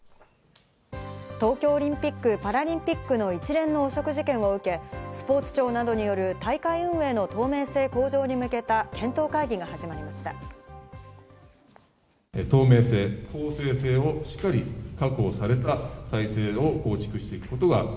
東京オリンピック・パラリンピックの一連の汚職事件を受け、スポーツ庁などによる大会運営の透明性向上に向けた検討会議が始まりました。